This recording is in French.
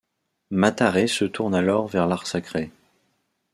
Mataré se tourne alors vers l'art sacré.